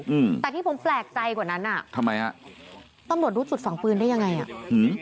อืมแต่ที่ผมแปลกใจกว่านั้นอ่ะทำไมฮะตำรวจรู้จุดฝังปืนได้ยังไงอ่ะอืม